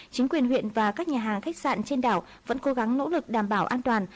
chính quyền huyện và các nhà hàng khách sạn trên đảo vẫn cố gắng nỗ lực đảm bảo an toàn